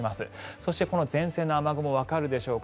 そしてこの前線の雨雲わかるでしょうか。